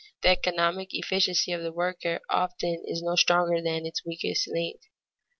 The economic efficiency of the worker often is no stronger than its weakest link.